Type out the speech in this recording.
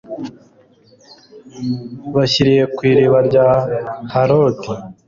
bashiriye ku iriba rya harodi